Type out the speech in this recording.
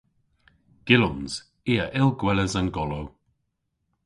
Gyllons. I a yll gweles an golow.